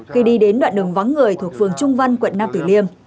khi đi đến đoạn đường vắng người thuộc phường trung văn quận nam tử liêm